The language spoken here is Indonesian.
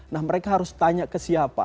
nah mereka harus tanya ke siapa